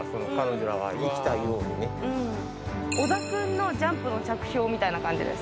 織田君のジャンプの着氷みたいな感じです